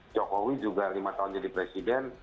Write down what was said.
jokowi juga lima tahun jadi presiden